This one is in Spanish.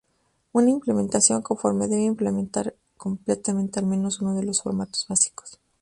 Una implementación conforme debe implementar completamente al menos uno de los formatos básicos.